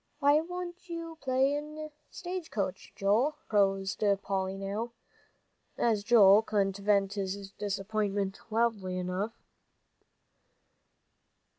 "Why don't you play stage coach, Joel?" proposed Polly now, as Joel couldn't vent his disappointment loudly enough.